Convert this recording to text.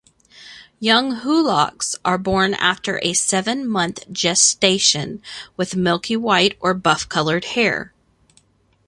Young hoolocks are born after a seven-month gestation, with milky white or buff-colored hair.